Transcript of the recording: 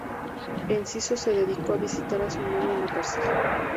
Enciso se dedicó a visitar a su novio en la cárcel.